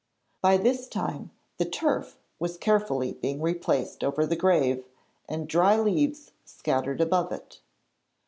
By this time the turf was carefully being replaced over the grave, and dry leaves scattered above it.